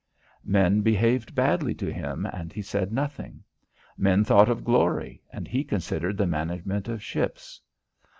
Men behaved badly to him and he said nothing. Men thought of glory and he considered the management of ships.